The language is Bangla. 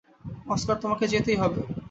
অস্কার, আমাকে যেতেই হবে।